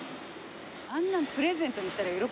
あんなんプレゼントにしたら喜ばれる？